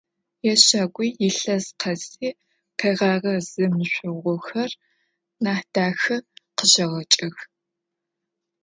Ящагуи илъэс къэси къэгъэгъэ зэмышъогъухэр Нахьдахэ къыщегъэкӏых.